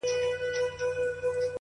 نو ځکه هغه ته پرده وايو!!